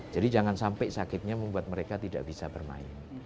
jadi jangan sampai sakitnya membuat mereka tidak bisa bermain